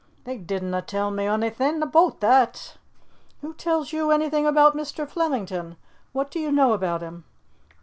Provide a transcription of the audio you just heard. "They didna tell me onything aboot that." "Who tells you anything about Mr. Flemington? What do you know about him?"